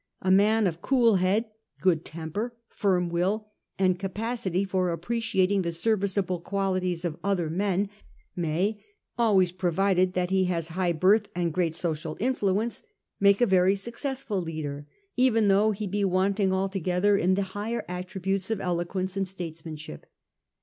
A man of cool head, good temper, firm will, and capacity for appreciating the serviceable qualities of other men, 1840. LORD GEORGE BENTINCK. 403 may, always provided tliat lie lias high "birth and great social influence, make a very successful leader, even though he be wanting altogether in the higher attributes of eloquence and statesmanship.